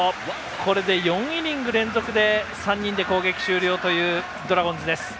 これで４イニング連続で３人で攻撃終了というドラゴンズです。